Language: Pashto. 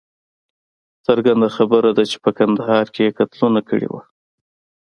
څرګنده خبره ده چې په کندهار کې یې قتلونه کړي وه.